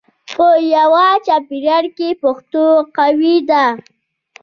په یوه چاپېریال کې پښتو قوي ده.